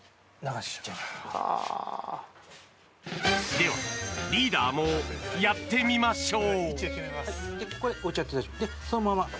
ではリーダーもやってみましょう。